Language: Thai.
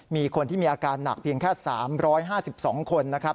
มีคนที่มีอาการหนักเพียงแค่๓๕๒คนนะครับ